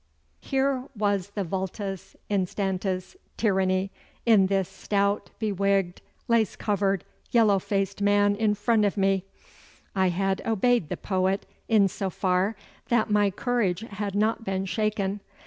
Here was the 'vultus instantis tyranni,' in this stout, be wigged, lace covered, yellow faced man in front of me. I had obeyed the poet in so far that my courage had not been shaken.